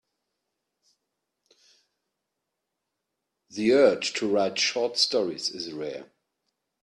The urge to write short stories is rare.